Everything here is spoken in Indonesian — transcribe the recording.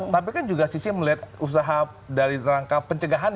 tapi kan juga sisi melihat usaha dari rangkaian